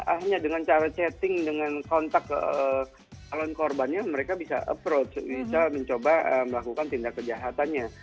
akhirnya dengan cara chatting dengan kontak calon korbannya mereka bisa approach bisa mencoba melakukan tindak kejahatannya